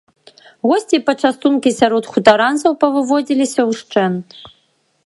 Госці і пачастункі сярод хутаранцаў павыводзіліся ўшчэнт.